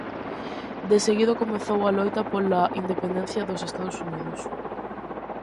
De seguido comezou a loita pola independencia dos Estados Unidos.